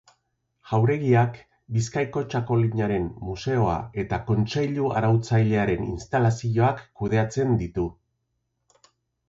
Jauregiak Bizkaiko Txakolinaren Museoa eta Kontseilu Arautzailearen instalazioak kudeatzen ditu.